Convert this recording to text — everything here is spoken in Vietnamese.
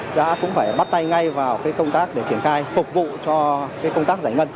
đã cũng phải bắt tay ngay vào công tác để triển khai phục vụ các công trình giao thông trọng điểm